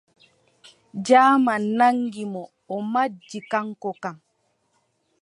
Jaaman naŋgi mo, o majji kaŋko kam.